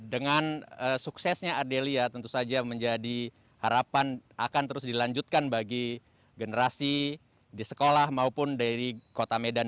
dengan suksesnya ardelia tentu saja menjadi harapan akan terus dilanjutkan bagi generasi di sekolah maupun dari kota medan